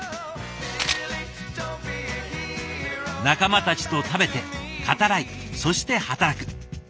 仲間たちと食べて語らいそして働く。